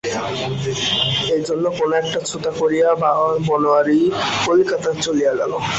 এইজন্য কোনো একটা ছুতা করিয়া বনোয়ারি কলিকাতায় চলিয়া গেল।